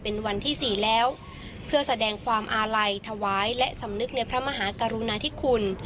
เป็นวันที่สี่แล้วเพื่อแสดงความอาลัยถวายและสำนึกในพระมหากรุณาธิคุณ